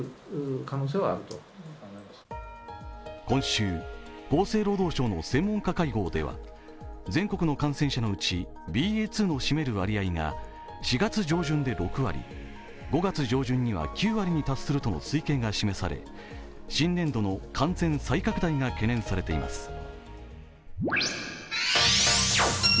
今週、厚生労働省の専門家会合では全国の感染者のうちＢＡ．２の占める割合が４月上旬で６割、５月上旬には９割に達するとの推計が示され新年度の感染再拡大が懸念されています。